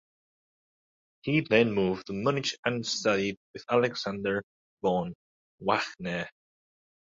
He then moved to Munich and studied with Alexander von Wagner.